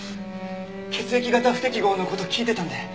血液型不適合の事聞いてたんで。